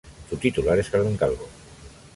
Su titular es Carmen Calvo.